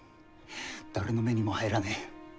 誰の目にも入らねえ。